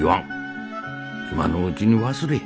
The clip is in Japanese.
今のうちに忘れい。